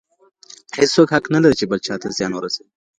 هيڅوک حق نه لري چي بل چا ته زيان ورسوي.